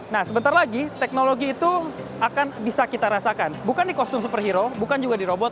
nah sebentar lagi teknologi itu akan bisa kita rasakan bukan di kostum superhero bukan juga di robot